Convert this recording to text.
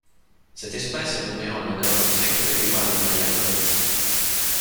Cette espèce est nommée en l'honneur de Sengdeuane Wayakone.